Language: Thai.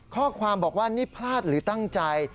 ข้อความบอกว่านี่พลาดหรือตั้งใจ